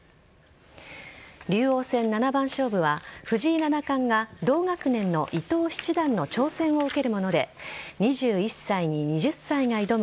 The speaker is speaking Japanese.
竜王戦七番勝負は藤井七冠が同学年の伊藤七段の挑戦を受けるもので２１歳に２０歳が挑む